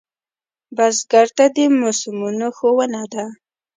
بزګر ته د موسمونو ښوونه ده